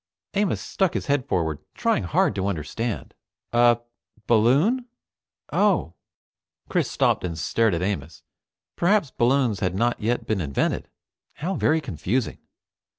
Amos stuck his head forward, trying hard to understand. "A balloon. Oh." Chris stopped and stared at Amos. Perhaps balloons had not yet been invented. How very confusing!